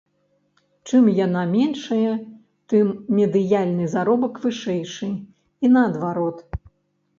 Чым яна меншая, тым медыяльны заробак вышэйшы, і наадварот.